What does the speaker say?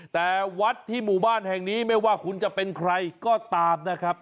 แต่วัดที่หมู่บ้านแห่งนี้ไม่ว่าคุณจะเป็นใครก็ตามนะครับ